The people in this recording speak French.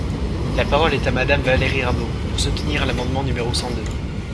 La parole est à Madame Valérie Rabault, pour soutenir l’amendement numéro cent deux.